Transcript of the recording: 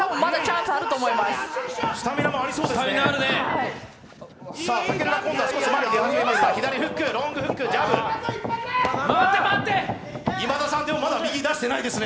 スタミナもありそうですね。